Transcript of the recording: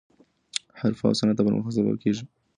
حرفه او صنعت د پرمختګ سبب کیږي.